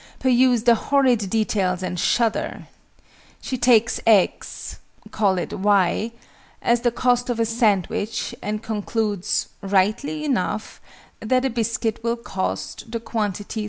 Peruse the horrid details, and shudder! She takes x (call it "y") as the cost of a sandwich, and concludes (rightly enough) that a biscuit will cost (3 y)/3.